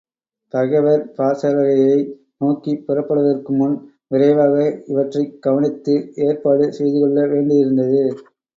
பகைவர் பாசறையை நோக்கிப் புறப்படுவதற்குமுன் விரைவாக இவற்றைக் கவனித்து ஏற்பாடு செய்துகொள்ள வேண்டியிருந்தது.